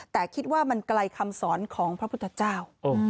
แต่คิดว่ามันไกลคำสอนของพระพุทธเจ้า